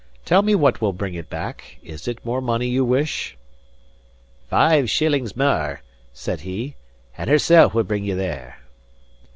Tell me what will bring it back? Is it more money you wish?" "Five shillings mair," said he, "and hersel' will bring ye there."